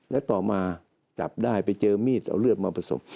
และต่อมาจับได้ไปเจอมีดเอาเลือดมาผสม